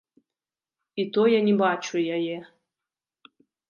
І то я не бачу яе.